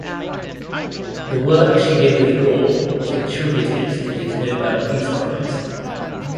The work she did with Gore contributed to his Nobel Peace Prize.